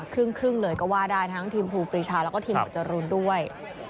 ครึ่งเลยก็ว่าได้ทั้งทีมครูปรีชาแล้วก็ทีมหวดจรูนด้วย